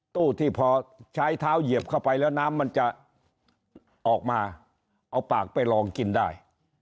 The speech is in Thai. ตู้ที่พอใช้เท้าเหยียบเข้าไปแล้วน้ำมันจะออกมาเอาปากไปลองกินได้